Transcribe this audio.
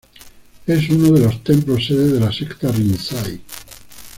Es uno de los templos sede de la secta Rinzai.